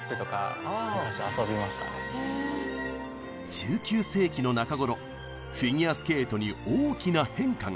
１９世紀の中頃フィギュアスケートに大きな変化が。